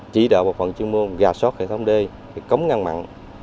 chỉ đạo bộ phận chuyên môn gà sót hệ thống đê cống ngăn mặn